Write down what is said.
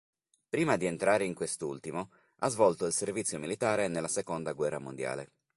Prima di entrare in quest'ultimo ha svolto il servizio militare nella seconda guerra mondiale.